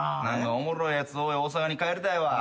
おもろいやつ多い大阪に帰りたいわ。